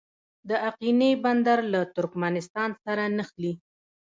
د اقینې بندر له ترکمنستان سره نښلي